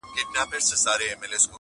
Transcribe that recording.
چی له خپلو انسانانو مو زړه شین سي-